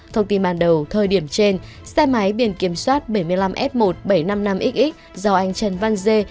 thông tin ban đầu thời điểm trên xe máy biển kiểm soát bảy mươi năm s một bảy trăm năm mươi năm xx do anh trần văn dê